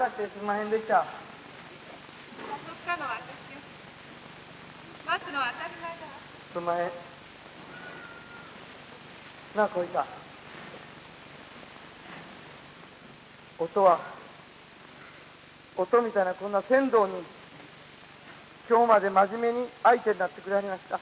於兎みたいなこんな船頭に今日まで真面目に相手になってくれはりました。